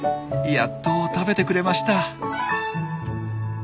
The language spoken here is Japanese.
やっと食べてくれました。